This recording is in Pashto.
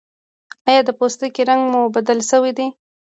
ایا د پوستکي رنګ مو بدل شوی دی؟